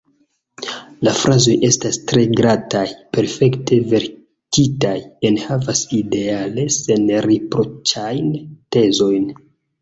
La frazoj estas tre glataj, perfekte verkitaj, enhavas ideale senriproĉajn tezojn.